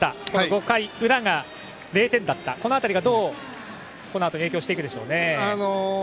５回裏が０点だったこの辺りが、どうこのあと影響していくでしょうか。